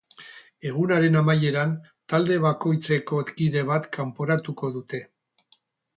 Egunaren amaieran, talde bakoitzeko kide bat kanporatuko dute.